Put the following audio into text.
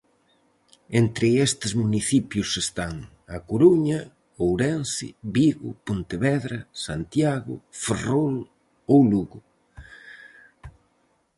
Entre estes municipios están A Coruña, Ourense, Vigo, Pontevedra, Santiago, Ferrol ou Lugo.